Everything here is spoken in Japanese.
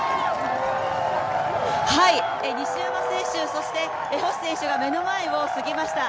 西山選手、星選手が目の前を過ぎました。